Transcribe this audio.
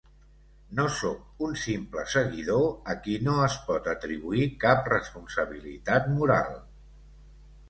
No sóc un simple seguidor a qui no es pot atribuir cap responsabilitat moral.